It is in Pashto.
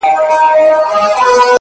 o جرس فرهاد زما نژدې ملگرى ـ